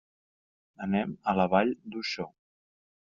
Anem a la Vall d'Uixó.